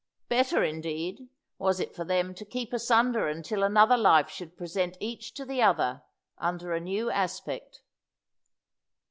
Better, indeed, was it for them to keep asunder until another life should present each to the other under a new aspect.